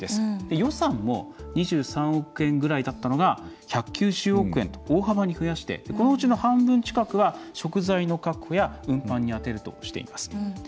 予算も２３億円ぐらいだったのが１９０億円と大幅に増やしてこのうちの半分近くは食材の確保や運搬に充てるとしています。